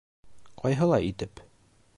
Ҡайһылай итеп?